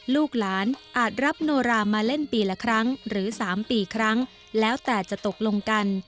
ลูกหลานอาจรับโนรามาเล่นปีละครั้งหรือ๓ปีครั้งแล้วแต่จะตกลงกัน